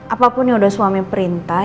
apapun yang udah suaminya perintah